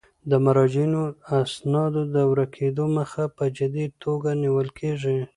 د مراجعینو د اسنادو د ورکیدو مخه په جدي توګه نیول کیږي.